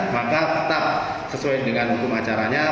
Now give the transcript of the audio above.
maka tetap sesuai dengan hukum acaranya